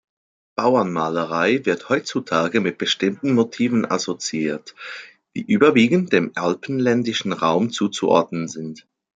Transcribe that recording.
Bauernmalerei wird heutzutage mit bestimmten Motiven assoziiert, die überwiegend dem alpenländischen Raum zuzuordnen sind.